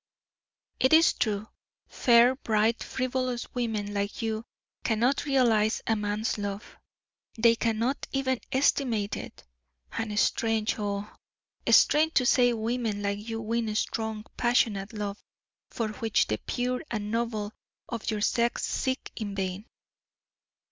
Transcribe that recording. "It is true. Fair, bright, frivolous women like you cannot realize a man's love they cannot even estimate it! And strange oh! strange to say women like you win strong, passionate love, for which the pure and noble of your sex seek in vain."